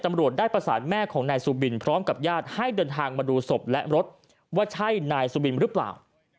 ตำรวจได้ประสานแม่ของนายสุบินพร้อมกับญาติให้เดินทางมาดูศพและรถว่าใช่นายสุบินหรือเปล่า